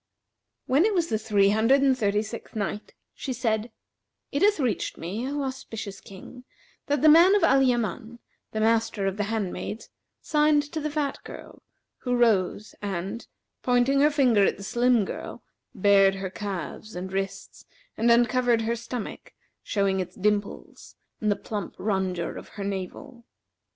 When it was the Three Hundred and Thirty sixth Night, She said, It hath reached me, O auspicious King, that "the man of Al Yaman, the master of the handmaids, signed to the fat girl who rose and, pointing her finger at the slim girl, bared her calves and wrists and uncovered her stomach, showing its dimples and the plump rondure of her navel.